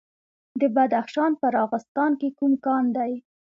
د بدخشان په راغستان کې کوم کان دی؟